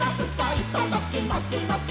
「いただきますます